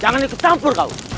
jangan ikut campur kau